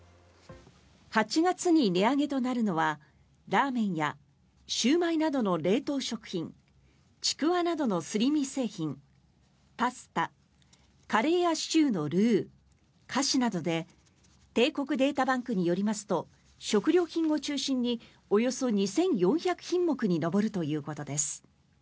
８月に値上げとなるのはラーメンやシューマイなどの冷凍食品ちくわなどのすり身製品パスタ、カレーやシチューのルー菓子などで帝国データバンクによりますと食料品を中心におよそ２４００品目に上るということです。